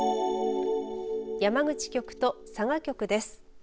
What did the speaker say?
山口局と佐賀局です。